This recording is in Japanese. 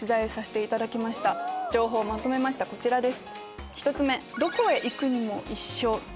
情報をまとめましたこちらです。